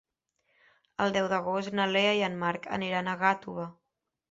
El deu d'agost na Lea i en Marc aniran a Gàtova.